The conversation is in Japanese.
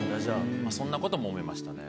そんなことも思いましたね。